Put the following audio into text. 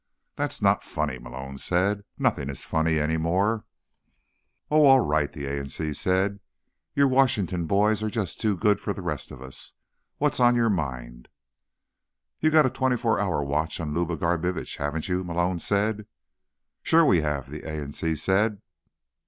"That's not funny," Malone said. "Nothing is funny any more." "Oh, all right," the A in C said. "You Washington boys are just too good for the rest of us. What's on your mind?" "You've got a twenty four hour watch on Luba Garbitsch, haven't you?" Malone said. "Sure we have," the A in C said.